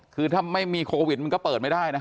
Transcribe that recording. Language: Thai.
คือถ้าไม่มีโควิดมันก็เปิดไม่ได้นะ